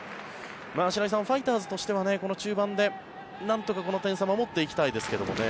白井さん、ファイターズとしてはこの中盤でなんとかこの点差を守っていきたいですけどもね。